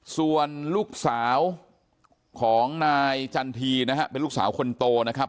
ส่วนลูกสาวของนายจันทีนะฮะเป็นลูกสาวคนโตนะครับ